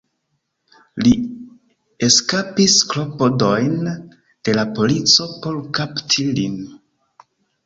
Li eskapis klopodojn de la polico por kapti lin.